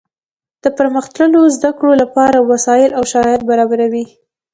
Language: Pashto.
د پرمختللو زده کړو له پاره وسائل او شرایط برابروي.